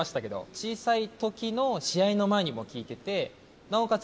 小さいときの試合の前にも聴いてて、なおかつ